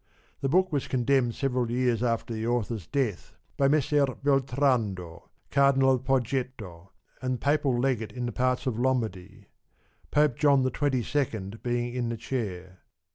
This book was condemned several years after the author's death by Messer Beltrando, Cardinal of Poggetto, and papal legate in the parts of Lombardy ; Pope John XXII. being in the Chair.